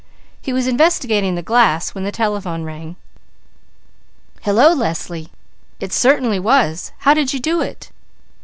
He was investigating the glass when the telephone rang. "Hello, Leslie! It certainly was! How did you do it?